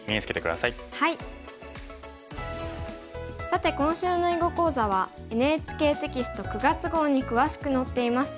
さて今週の囲碁講座はＮＨＫテキスト９月号に詳しく載っています。